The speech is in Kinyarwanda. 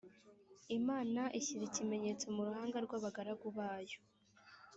Imana ishyira ikimenyetso mu ruhanga rw’abagaragu bayo